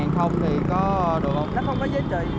nó không có giá trị